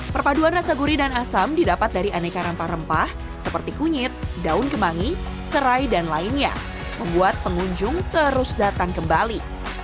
perpaduan rasa gurih dan asam didapat dari aneka rempah rempah seperti kunyit daun kemangi serai dan lainnya membuat pengunjung terus datang kembali